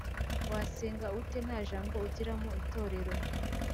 wasenga ute nta jambo ugira mu Itorero